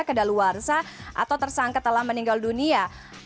kedaluarsa atau tersangka telah meninggal dunia